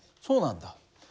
そうなんだ。